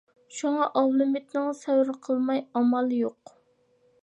شۇڭا ئابلىمىتنىڭ سەۋر قىلماي ئامالى يوق.